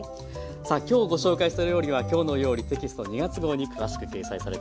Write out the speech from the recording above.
さあ今日ご紹介した料理は「きょうの料理」テキスト２月号に詳しく掲載されています。